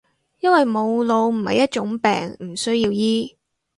因為冇腦唔係一種病，唔需要醫